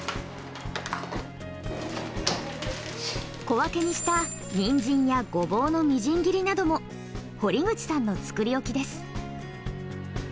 小分けにしたニンジンやゴボウのみじん切りなども堀口さんの作り置きです。